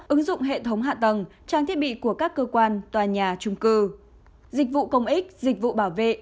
ứng dụng hệ thống hạ tầng trang thiết bị của các cơ quan tòa nhà trung cư dịch vụ công ích dịch vụ bảo vệ